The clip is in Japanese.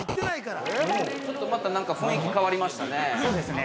◆ちょっと、またなんか雰囲気変わりましたね。